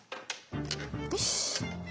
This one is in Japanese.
よし。